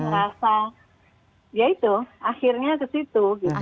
rasa ya itu akhirnya kesitu gitu